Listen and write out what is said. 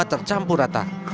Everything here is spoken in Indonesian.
semua tercampur rata